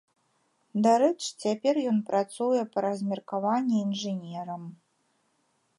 Дарэчы, цяпер ён працуе па размеркаванні інжынерам.